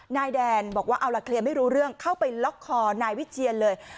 นายแดนบอกว่าเอาล่ะเคลียร์ไม่รู้เรื่องเข้าไปล็อกคอนายวิเชียนเลย